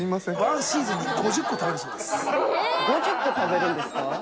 「５０個食べるんですか？」